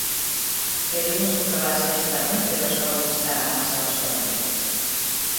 Pero imos comprobar se esta noite, os fogos estarán pasados por auga.